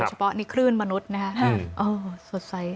เฉพาะนิคลื่นมนุษย์นะครับสวัสดี